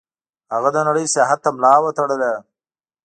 هغه د نړۍ سیاحت ته ملا وتړله.